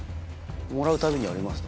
もらうたびにありました